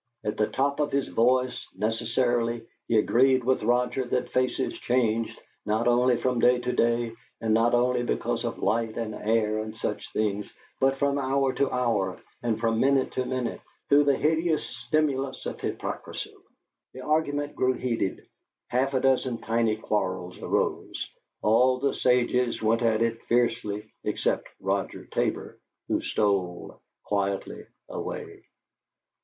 At the top of his voice, necessarily, he agreed with Roger that faces changed, not only from day to day, and not only because of light and air and such things, but from hour to hour, and from minute to minute, through the hideous stimulus of hypocrisy. The "argument" grew heated; half a dozen tidy quarrels arose; all the sages went at it fiercely, except Roger Tabor, who stole quietly away.